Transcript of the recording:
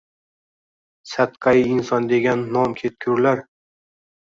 Sadqai inson degan nom ketgurlar.